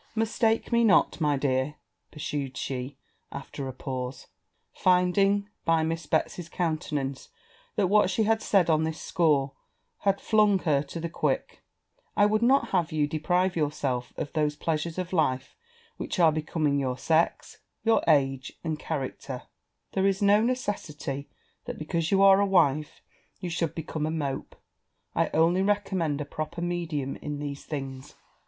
'Mistake me not, my dear,' pursued she, after a pause, finding, by Miss Betsy's countenance, that what she had said on this score had stung her to the quick; 'I would not have you deprive yourself of those pleasures of life which are becoming your sex, your age, and character; there is no necessity that, because you are a wife, you should become a mope: I only recommend a proper medium in these things.'